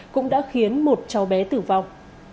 cũng đã khiến một cháu bé tử vong